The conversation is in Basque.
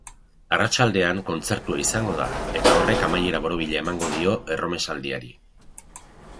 Arratsaldean kontzertua izango da, eta horrek amaiera borobila emango dio erromesaldiari.